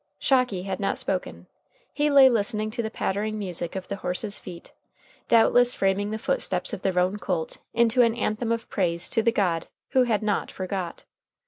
Shocky had not spoken. He lay listening to the pattering music of the horse's feet, doubtless framing the footsteps of the roan colt into an anthem of praise to the God who had not forgot.